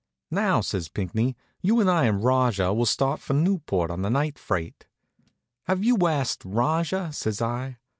"Now," says Pinckney, "you and I and Rajah will start for Newport on the night freight." "Have you asked Rajah?" says I.